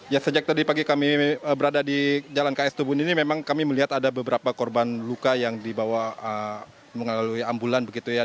ya sejak tadi pagi kami berada di jalan ks tubun ini memang kami melihat ada beberapa korban luka yang dibawa mengalami ambulan begitu ya